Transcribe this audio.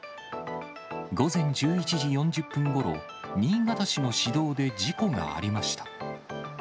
午前１１時４０分ごろ、新潟市の市道で事故がありました。